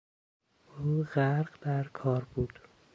او غرق در کار بود.